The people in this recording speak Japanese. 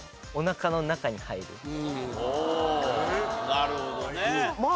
なるほどね。